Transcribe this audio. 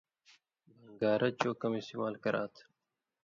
بھݩگارہ چو کم استعمال کراتھہ۔